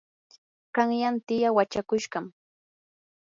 qanyan tiyaa wachakushqam.